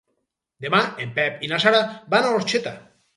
Demà en Pep i na Sara van a Orxeta.